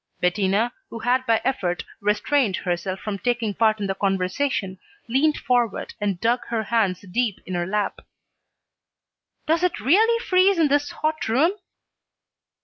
Bettina, who had by effort restrained herself from taking part in the conversation, leaned forward and dug her hands deep in her lap. "Does it really freeze in this hot room?"